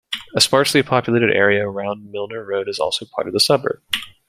A sparsely populated area around Milner Road is also part of the suburb.